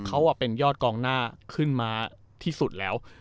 เขาเป็นยอดกองหน้าขึ้นมาที่สุดแล้ว